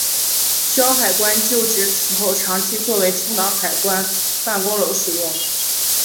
胶海关旧址此后长期作为青岛海关办公楼使用。